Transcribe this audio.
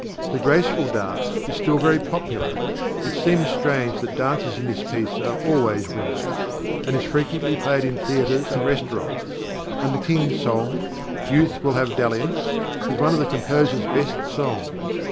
The "Graceful Dance" is still very popular (it seems strange that dances in this piece are always winners), and is frequently played in theatres and restaurants; and the King's song, "Youth will have dalliance," is one of the composer's best songs.